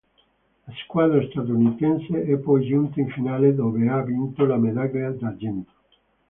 La squadra statunitense è poi giunta in finale, dove ha vinto la medaglia d'argento.